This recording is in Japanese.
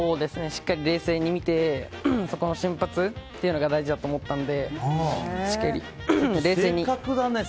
しっかり冷静に見てそこの瞬発というのが大事だと思ったので正確だね。